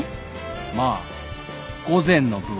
まあ午前の部は。